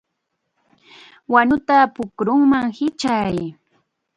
¡Wanuta pukruman hichay!